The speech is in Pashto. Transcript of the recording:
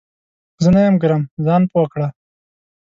زه نه یم ګرم ، ځان پوه کړه !